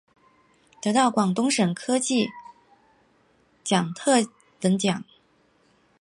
得到广东省科学技术奖特等奖。